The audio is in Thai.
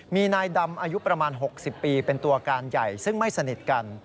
มีนายดำอายุประมาณ๖๐ปีเป็นตัวการใหญ่ซึ่งไม่สนิทกัน